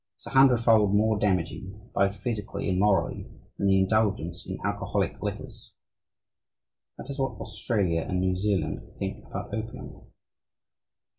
It is a hundredfold more damaging, both physically and morally, than the indulgence in alcoholic liquors." That is what Australia and New Zealand think about opium.